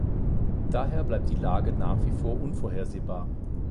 Daher bleibt die Lage nach wie vor unvorhersehbar.